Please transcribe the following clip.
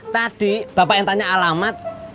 tadi bapak yang tanya alamat